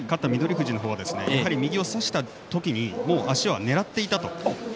富士の方はやはり右を差した時に足はねらっていたと。